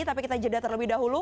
tapi kita jeda terlebih dahulu